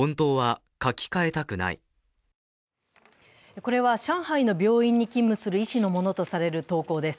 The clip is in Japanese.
これは上海の病院に勤務する医師のものとされる投稿です。